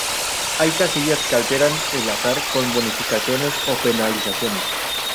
Hay casillas que alteran el azar con bonificaciones o penalizaciones.